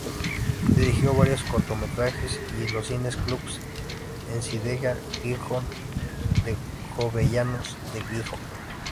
Dirigió varios cortometrajes y los cine-clubs Ensidesa-Gijón y Jovellanos de Gijón.